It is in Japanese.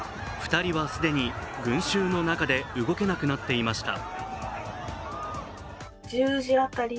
２人は既に群衆の中で動けなくなっていました。